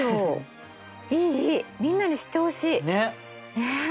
ねえ。